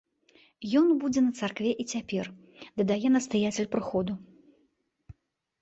Ён будзе на царкве і цяпер, дадае настаяцель прыходу.